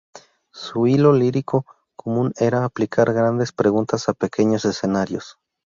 Su hilo lírico común era "aplicar grandes preguntas a pequeños escenarios".